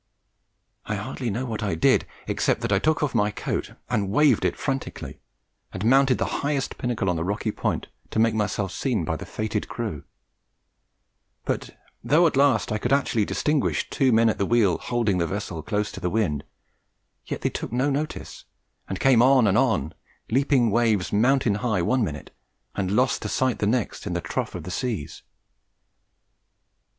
"I hardly know what I did, except that I took off my coat and waved it frantically, and mounted the highest pinnacle on the rocky point to make myself seen by the fated crew; but though at last I could actually distinguish two men at the wheel holding the vessel close to the wind, yet they took no notice, and came on and on, leaping waves mountains high one minute, and lost to sight the next in the trough of the seas.